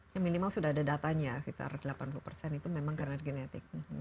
ya minimal sudah ada datanya sekitar delapan puluh persen itu memang karena genetik